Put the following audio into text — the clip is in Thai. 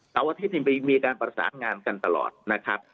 เสาร์อาทิตย์มีการประสานงานกันตลอดนะครับ